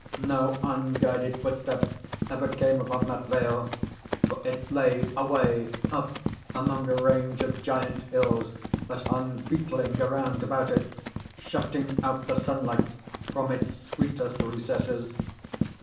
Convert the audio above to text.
No unguided footstep ever came upon that vale; for it lay away up among a range of giant hills that hung beetling around about it, shutting out the sunlight from its sweetest recesses.